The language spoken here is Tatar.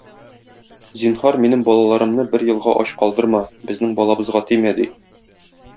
Зинһар, минем балаларымны бер елга ач калдырма, безнең балыбызга тимә,- ди.